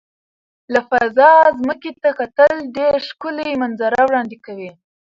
له فضا ځمکې ته کتل ډېر ښکلي منظره وړاندې کوي.